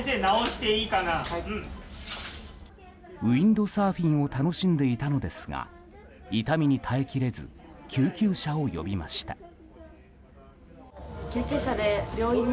ウィンドサーフィンを楽しんでいたのですが痛みに耐えきれず救急車を呼びました。